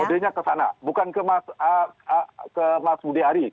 kodenya ke sana bukan ke mas budi ari